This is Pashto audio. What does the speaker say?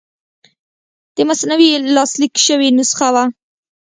د مثنوي لاسلیک شوې نسخه وه.